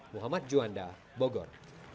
muhammad juanda bogor